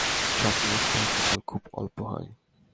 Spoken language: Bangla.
স্বপ্নের স্থায়িত্বকাল খুব অল্প হয়।